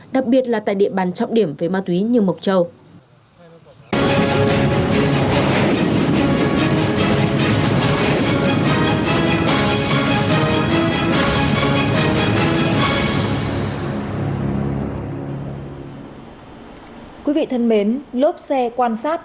đặc biệt là tại địa bàn trọng điểm về ma túy như mộc châu